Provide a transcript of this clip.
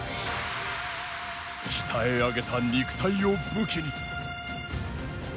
鍛え上げた肉体を武器に。